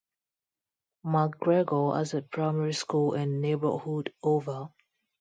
Macgregor has a primary school and neighbourhood oval.